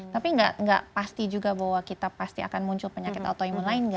tapi nggak pasti juga bahwa kita pasti akan muncul penyakit autoimun lain